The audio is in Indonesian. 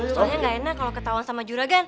soalnya gak enak kalau ketahuan sama juragan